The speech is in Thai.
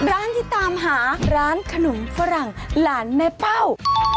ร้านที่ตามหาร้านขนมฝรั่งหลานแม่เป้า